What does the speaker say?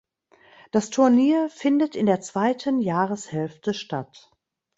Das Turnier findet in der zweiten Jahreshälfte statt.